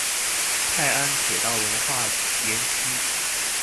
泰安鐵道文化園區